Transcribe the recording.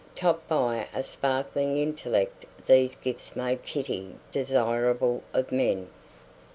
Topped by a sparkling intellect these gifts made Kitty desirable of men.